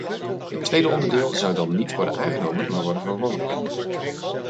Het tweede onderdeel zou dan niet worden aangenomen maar worden verworpen.